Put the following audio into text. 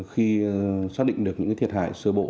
khi xác định được những thiệt hại sơ bộ